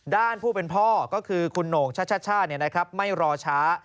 ผู้เป็นพ่อก็คือคุณโหน่งชัชช่าไม่รอช้า